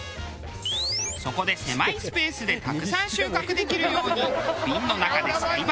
そこで狭いスペースでたくさん収穫できるように瓶の中で栽培。